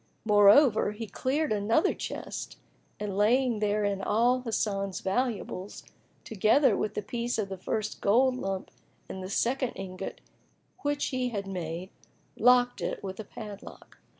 Moreover, he cleared another chest and laying therein all Hasan's valuables, together with the piece of the first gold lump and the second ingot which he had made locked it with a padlock.